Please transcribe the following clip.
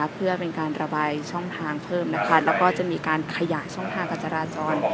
เพื่อเป็นการระบายช่องทางเพิ่มนะคะแล้วก็จะมีการขยายช่องทางการจราจร